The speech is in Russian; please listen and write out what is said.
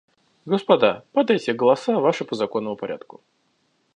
Господа, подайте голоса ваши по законному порядку.